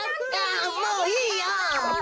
あもういいよ！